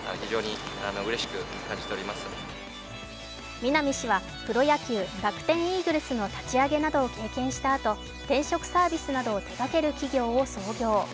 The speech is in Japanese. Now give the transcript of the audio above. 南氏はプロ野球・楽天イーグルスの立ち上げなどを経験したあと転職サービスなどを手がける企業を創業。